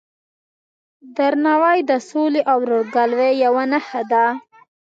درناوی د سولې او ورورګلوۍ یوه نښه ده.